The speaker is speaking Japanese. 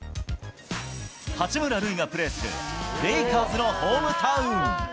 八村塁がプレーする、レイカーズのホームタウン。